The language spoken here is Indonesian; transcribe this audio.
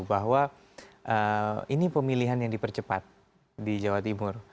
bahwa ini pemilihan yang dipercepat di jawa timur